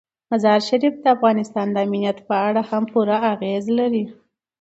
مزارشریف د افغانستان د امنیت په اړه هم پوره اغېز لري.